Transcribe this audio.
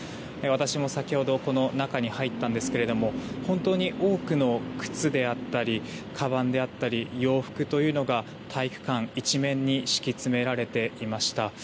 私も先ほどこの中に入ったんですが本当に多くの靴であったりかばんであったり洋服というのが体育館一面に敷き詰められていました。